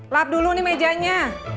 lap dulu nih mejanya